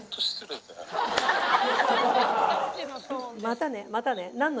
またねまたね。